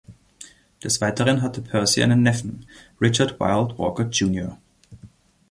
Des Weiteren hatte Percy einen Neffen, Richard Wilde Walker, Jr.